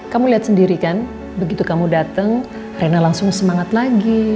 kamu lihat sendiri kan begitu kamu datang rena langsung semangat lagi